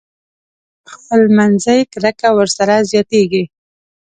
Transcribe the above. خپل منځي کرکه ورسره زياتېږي.